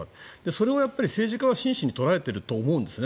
それを政治家は真摯に捉えていると思うんですね。